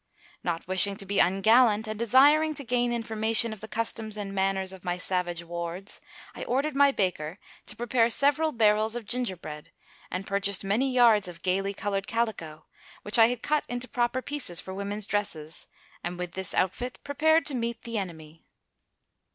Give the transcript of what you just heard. Not wishing to be ungallant, and desiring to gain information of the customs and manners of my savage wards, I ordered my baker to prepare several barrels of ginger bread, and purchased many yards of gaily colored calico, which I had cut into proper pieces for women's dresses, and with this outfit, prepared to meet the enemy.